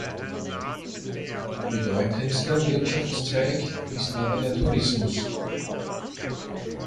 Bedeutendster Wirtschaftszweig ist aber der Tourismus.